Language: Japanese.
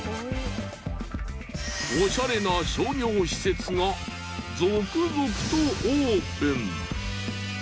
オシャレな商業施設が続々とオープン。